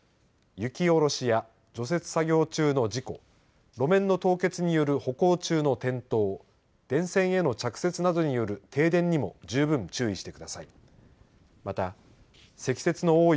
雪下ろしや除雪作業中の事故路面の凍結による歩行中の転倒電線への着雪などによる停電にも十分注意してください。